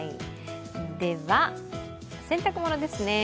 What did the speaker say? では洗濯物ですね。